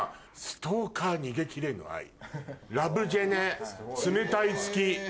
『ストーカー逃げきれぬ愛』。『ラブジェネ』『冷たい月』。